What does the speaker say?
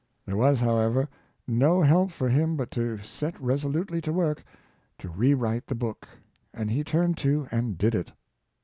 There was, however, no help for him but to set resolutely to work to re write the book, and he turned to and did it.